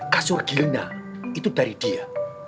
kasur gilina itu dari dia